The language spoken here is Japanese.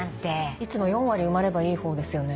いつも４割埋まればいい方ですよね。